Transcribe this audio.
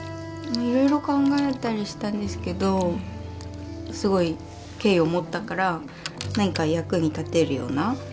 いろいろ考えたりしたんですけどすごい敬意を持ったから何か役に立てるような。